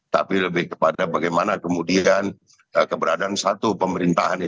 tapi lebih kepada bagaimana kemudian keberadaan satu pemerintahan ini